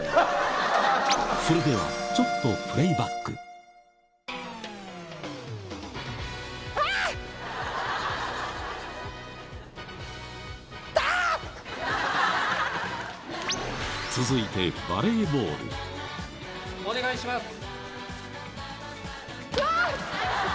それではちょっとプレーバック続いてお願いします。